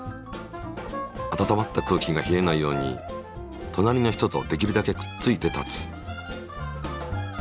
温まった空気が冷えないように隣の人とできるだけくっついて立つ。